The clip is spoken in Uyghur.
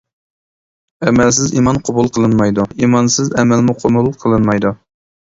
ئەمەلسىز ئىمان قوبۇل قىلىنمايدۇ، ئىمانسىز ئەمەلمۇ قوبۇل قىلىنمايدۇ.